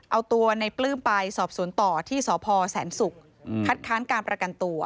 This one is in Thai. เอาตัวในปลื้มไปสอบสวนต่อที่สพแสนศุกร์คัดค้านการประกันตัว